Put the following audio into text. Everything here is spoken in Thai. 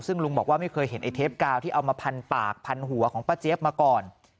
ซึ่งลุงบอกว่าไม่เคยเห็นไอ้เทปกาวที่เอามาพันปากพันหัวของป้าเจี๊ยบมาก่อน